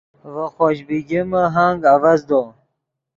ڤے خوش بیگمے ہنگ اڤزدو